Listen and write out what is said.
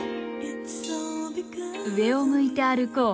「上を向いて歩こう」